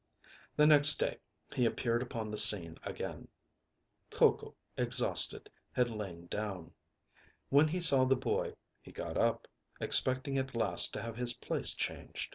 The next day he appeared upon the scene again. Coco, exhausted, had lain down. When he saw the boy, he got up, expecting at last to have his place changed.